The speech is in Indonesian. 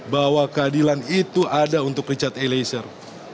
bahwa keadilan itu ada untuk richard e leyser